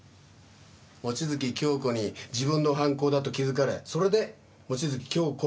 望月京子に自分の犯行だと気づかれそれで望月京子を襲った。